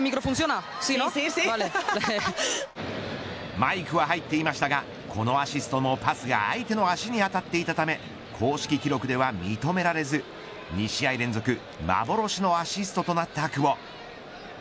マイクは入っていましたがこのアシストも、パスが相手の足に当たっていたため公式記録では認められず２試合連続幻のアシストとなった久保。